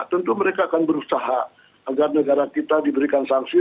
tentu mereka akan berusaha agar negara kita diberikan sanksi